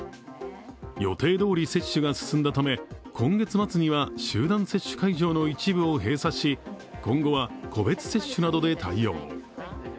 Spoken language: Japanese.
予定どおり接種が進んだため今月末には集団接種会場の一部を閉鎖し今後は個別接種などで対応。